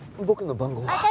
僕の番号は。